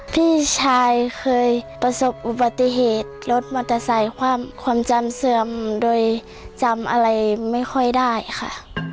พี่ชายเคยประสบอุบัติเหตุรถมอเตอร์ไซค์ความจำเสื่อมโดยจำอะไรไม่ค่อยได้ค่ะ